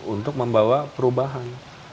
untuk membawa perubahan